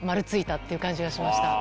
って感じがしました。